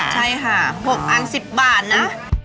ใช่ค่ะ๖อัน๑๐บาทนะ